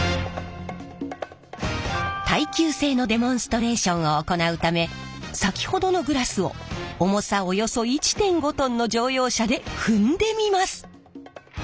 耐久性のデモンストレーションを行うため先ほどのグラスを重さおよそ１．５ｔの乗用車で踏んでみます！